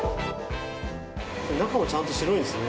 中はちゃんと白いんですね。